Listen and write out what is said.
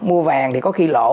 mua vàng thì có khi lỗ